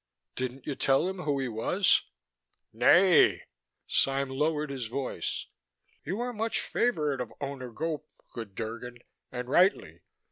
"Didn't you tell him who he was?" "Nay!" Sime lowered his voice. "You are much favored of Owner Gope, good Drgon, and rightly.